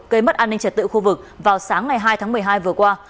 gây mất an ninh trật tự khu vực vào sáng ngày hai tháng một mươi hai vừa qua